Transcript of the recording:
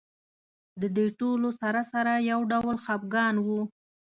د دې ټولو سره سره یو ډول خپګان و.